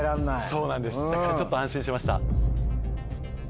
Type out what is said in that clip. そうなんですだからちょっと安心しました。